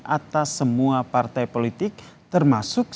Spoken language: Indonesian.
akah merupakan pimpin tereng dan kts ini